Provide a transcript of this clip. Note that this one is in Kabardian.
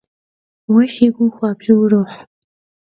Vue si gum xuabju vuroh.